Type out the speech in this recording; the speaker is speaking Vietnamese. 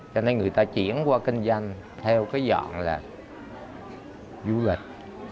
cho nên người ta chuyển qua kinh doanh theo cái dạng là du lịch